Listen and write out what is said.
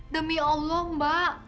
demi allah mbak